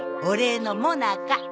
お礼のもなか。